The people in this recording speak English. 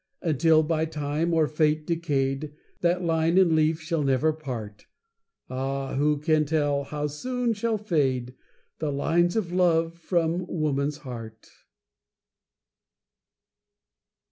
Until by time or fate decayed, That line and leaf shall never part; Ah! who can tell how soon shall fade The lines of love from woman's heart.